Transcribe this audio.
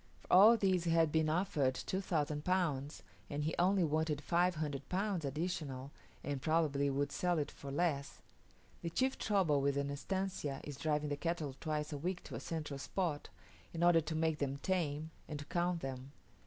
For all this he had been offered 2000 Pounds, and he only wanted 500 Pounds additional, and probably would sell it for less. The chief trouble with an estancia is driving the cattle twice a week to a central spot, in order to make them tame, and to count them.